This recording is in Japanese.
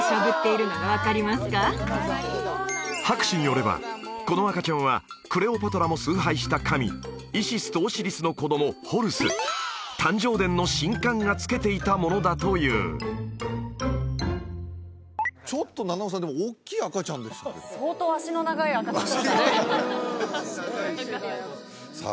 博士によればこの赤ちゃんはクレオパトラも崇拝した神イシスとオシリスの子供ホルス誕生殿の神官がつけていたものだというちょっと菜々緒さんでもおっきい赤ちゃんでしたけどさあ